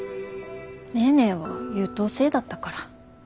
ネーネーは優等生だったから。